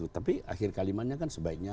tapi akhir kalimatnya kan sebaiknya